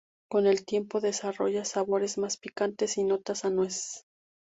Con el tiempo desarrolla sabores más picantes y notas a nuez.